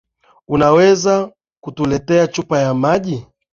Unaweza kutuletea chupa ya maji?